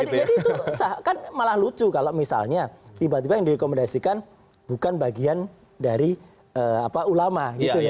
itu kan malah lucu kalau misalnya tiba tiba yang direkomendasikan bukan bagian dari ulama gitu loh